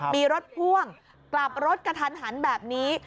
มีรถพ่วงกลับรถกระทันหันแบบนี้